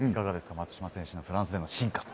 松島選手のフランスでの進化。